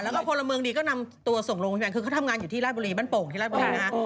แล้วก็พลเมืองดีก็นำตัวส่งโรงพยาบาลคือเขาทำงานอยู่ที่ราชบุรีบ้านโป่งที่ราชบุรีนะฮะ